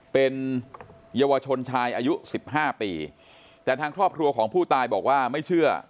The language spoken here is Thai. เป็นเยาวชนชายอายุสิบห้าปีแต่ทางครอบครัวของผู้ตายบอกว่าไม่เชื่อ